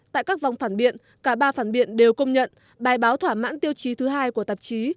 tại các vòng phản biện cả ba phản biện đều công nhận bài báo thỏa mãn tiêu chí thứ hai của tạp chí